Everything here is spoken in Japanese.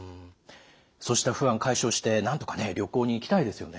そうした不安解消してなんとか旅行に行きたいですよね。